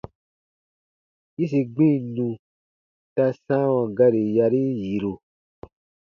-yĩsi gbinnu ta sãawa gari yarii yiru.